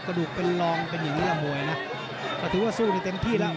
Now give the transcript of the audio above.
กระดูกเป็นรองเป็นอย่างนี้ล่ะมวยอ่ะสิกอัตบูรณ์นะถือว่าสู้ในเต็มที่แล้ว